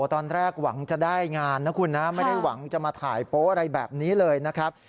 ตอนแรกหวังจะได้งานนะคุณนะไม่ได้หวังจะมาถ่ายโป๊ะอะไรแบบนี้เลยนะครับ